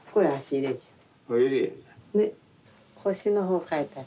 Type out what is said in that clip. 腰の方描いたら。